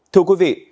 thưa quý vị